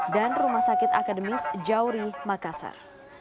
dan rumah sakit akademis jauri makassar